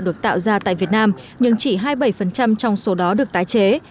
được tạo ra tại việt nam nhưng chỉ hai mươi bảy trong số đó được tái chế